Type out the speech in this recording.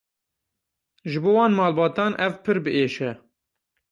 Ji bo wan malbatan ev pir biêş e.